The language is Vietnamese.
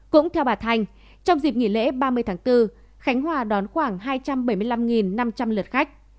cũng theo bà thành trong dịp nghỉ lễ ba mươi tháng bốn khánh hòa đón khoảng hai trăm bảy mươi năm năm trăm linh lượt khách